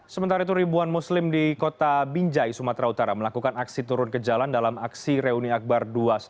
sementara itu ribuan muslim di kota binjai sumatera utara melakukan aksi turun ke jalan dalam aksi reuni akbar dua ratus dua belas